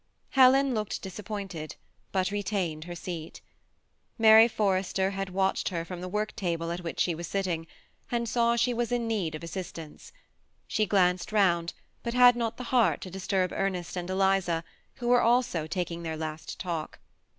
Helen looked disappointed, but retained her seat Mary Forrester had watehed her from the work table at which she was sitting, and saw she was in need of assistance. She glanced round, but had not the heart to disturb Ernest and £liza, who were also taking their last talk.